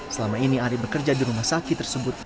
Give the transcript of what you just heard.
selama ini ari bekerja di rumah sakit tersebut